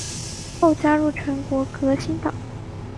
后加入全国革新党。